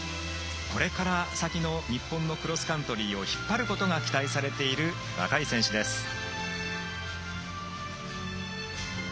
これから先の日本のクロスカントリーを引っ張ることが期待されている若い選手です。